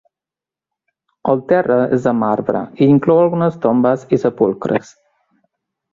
El terra és de marbre i inclou algunes tombes i sepulcres.